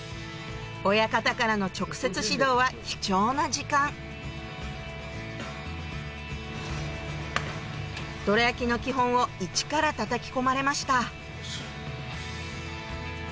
親方からの直接指導は貴重な時間どら焼きの基本をイチからたたき込まれました